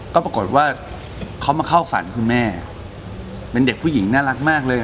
ก็ปรากฏว่าเขามาเข้าฝันคุณแม่เป็นเด็กผู้หญิงน่ารักมากเลย